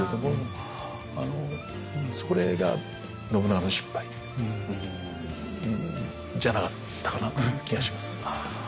それが信長の失敗じゃなかったかなという気がします。